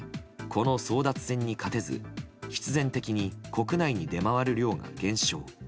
この争奪戦に勝てず必然的に国内に出回る量が減少。